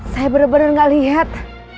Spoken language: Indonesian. saya bener bener gak liat